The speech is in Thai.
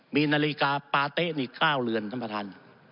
มีนาฬิกาปาเต้นอีกเก้าเรือนท่านประธาน